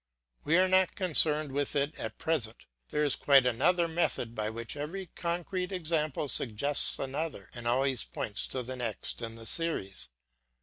We are not concerned with it at present. There is quite another method by which every concrete example suggests another and always points to the next in the series.